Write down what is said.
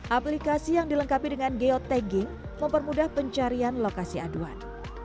aplikasi yang dilengkapi dengan geotagging mempermudah pencarian lokasi aduan